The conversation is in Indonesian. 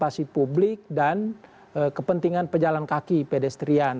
transportasi publik dan kepentingan pejalan kaki pedestrian